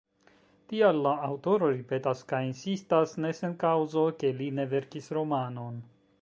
Tial la aŭtoro ripetas kaj insistas, ne sen kaŭzo, ke li ne verkis romanon.